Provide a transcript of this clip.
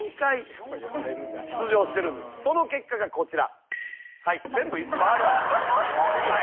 その結果がこちら。